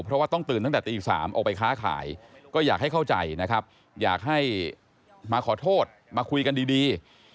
เพราะว่าต้องตื่นตั้งแต่ตี๓ออกไปค้าขายก็อยากให้เข้าใจนะครับอยากให้มาขอโทษมาคุยกันดี